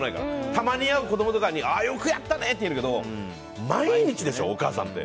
たまに会う子供とかによくやったね！って言えるけど毎日でしょお母さんって。